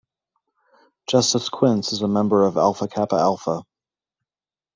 Justice Quince is a member of Alpha Kappa Alpha.